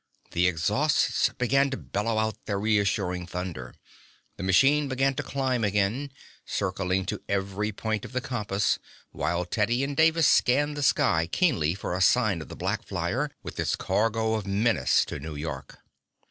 The exhausts began to bellow out their reassuring thunder. The machine began to climb again, circling to every point of the compass, while Teddy and Davis scanned the sky keenly for a sign of the black flyer with its cargo of menace to New York.